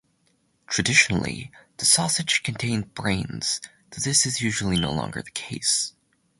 Traditionally, the sausage contained brains, though this is usually no longer the case.